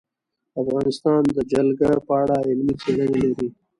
افغانستان د جلګه په اړه علمي څېړنې لري.